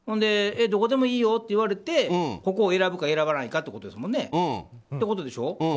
どこでもいいよって言われてここを選ぶか選ばないかってことですもんね。